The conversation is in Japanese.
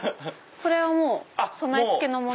これは備え付けのもの？